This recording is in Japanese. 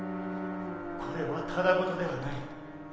これはただ事ではない。